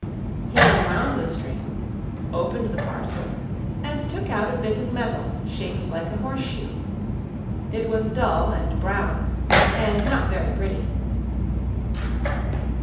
He unwound the string, opened the parcel, and took out a bit of metal shaped like a horseshoe. It was dull and brown, and not very pretty.